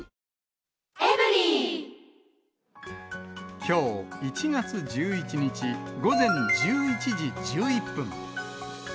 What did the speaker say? きょう、１月１１日午前１１時１１分。